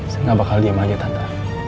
saya nggak bakal diem aja tante